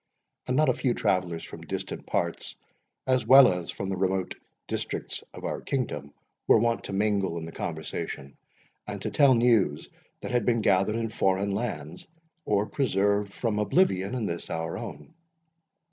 And not a few travellers, from distant parts, as well as from the remote districts of our kingdom, were wont to mingle in the conversation, and to tell news that had been gathered in foreign lands, or preserved from oblivion in this our own.